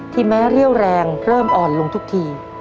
แม้เรี่ยวแรงเริ่มอ่อนลงทุกที